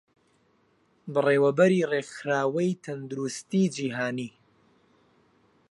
بەڕێوەبەری ڕێکخراوەی تەندروستیی جیهانی